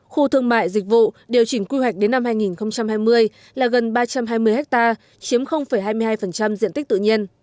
khu thương mại dịch vụ điều chỉnh quy hoạch đến năm hai nghìn hai mươi là gần ba trăm hai mươi ha chiếm hai mươi hai diện tích tự nhiên